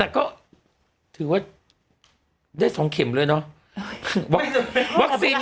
แต่ก็ถือว่าได้๒เข็มเลยเนาะ